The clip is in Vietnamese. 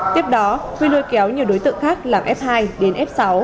tiếp đó huy lôi kéo nhiều đối tượng khác làm f hai đến f sáu